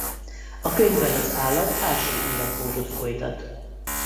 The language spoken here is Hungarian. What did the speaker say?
A könyvben az állat ásó életmódot folytat.